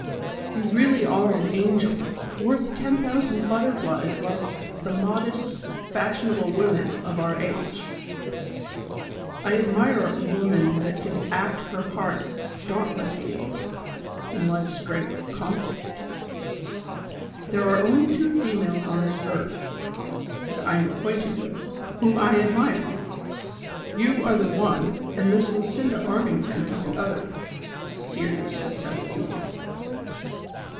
You really are an angel, worth ten thousand butterflies like the modest, fashionable women of our age. I adm'ire a woman that can act Jier part dauntlessly in life's great conflict. There are only two females on this earth, that I am acquainted with, whom I admire. You are the one, and INIiss Lucinda Armington is the other," seriously said the deacon.